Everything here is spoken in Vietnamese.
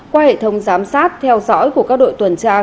qua hệ thống giám sát theo dõi của các đội tuần tra